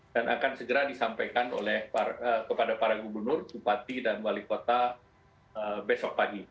dan akan segera disampaikan kepada para gubernur bupati dan wali kota besok pagi